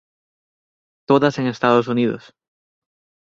Todas en Estados Unidos.